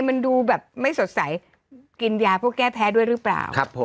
มันดูแบบไม่สดใสกินยาพวกแก้แพ้ด้วยหรือเปล่า